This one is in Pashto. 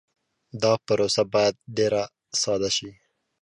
دا پروسه باید ډېر ساده شي.